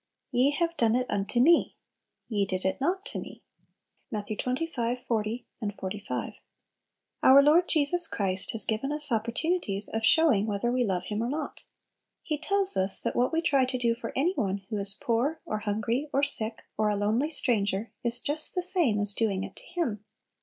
"Ye have done it unto me." "Ye did it not to me." Matt. xxv., xl., and xlv. Our Lord Jesus Christ has given us opportunities of showing whether we love Him or not. He tells us that what we try to do for any one who is poor, or hungry, or sick, or a lonely stranger, is just the same as doing it to Him.